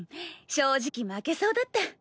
正直負けそうだった。